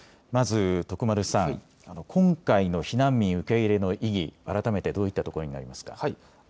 まず徳丸さん、今回の避難民受け入れの意義、改めてどういったところにありますか。